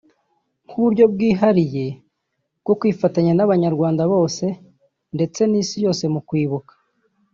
nk’uburyo bwihariye bwo kwifatanya n’abanyarwanda bose ndetse n’Isi yose mu kwibuka